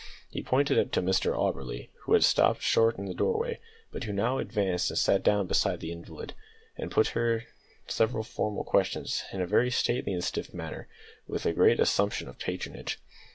He pointed to Mr Auberly, who had stopped short in the doorway, but who now advanced and sat down beside the invalid, and put to her several formal questions in a very stately and stiff manner, with a great assumption of patronage.